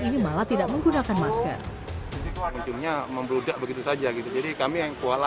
ini malah tidak menggunakan masker ujungnya membludak begitu saja gitu jadi kami yang kuala